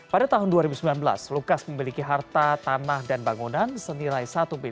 pada tahun dua ribu sembilan belas lukas memiliki harta tanah dan bangunan senilai satu satu ratus empat empat ratus empat puluh satu